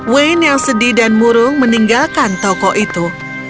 wainne yang sedih dan murung meninggalkan toko itu